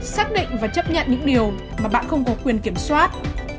xác định và chấp nhận những điều mà bạn không có quyền kiểm soát